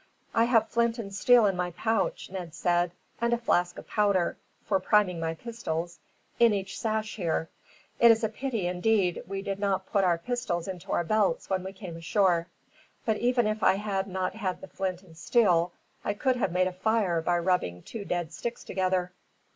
"I have flint and steel in my pouch," Ned said, "and a flask of powder, for priming my pistols, in my sash here. It is a pity, indeed, we did not put our pistols into our belts when we came ashore. But even if I had not had the flint and steel, I could have made a fire by rubbing two dead sticks together.